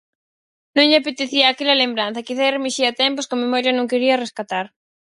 Non lle apetecía aquela lembranza, quizais remexía tempos que a memoria non quería rescatar.